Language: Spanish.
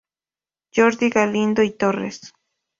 Jordi Galindo i Torres.